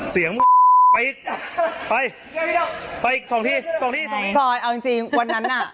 สอยจริงวันนั้นน่ะ